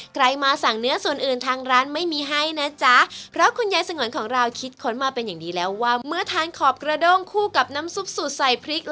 ใครมาสั่งเนื้อส่วนอื่นทางร้านไม่มีให้นะจ๊ะเพราะคุณยายสงวนของเราคิดค้นมาเป็นอย่างดีแล้วว่าเมื่อทานขอบกระด้งคู่กับน้ำซุปสูตรใส่พริก